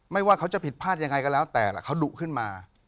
ไม่ว่าเขาจะผิดทรายยังไงก็แล้วแต่เขาดุขึ้นมา